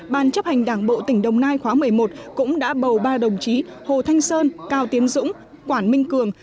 ban chấp hành đảng bộ tỉnh đồng nai khóa một mươi một cũng đã bầu ba đồng chí hồ thanh sơn cao tiến dũng quản minh cường